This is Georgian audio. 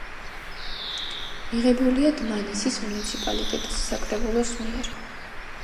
მიღებულია დმანისის მუნიციპალიტეტის საკრებულოს მიერ.